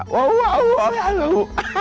hape dia jatuh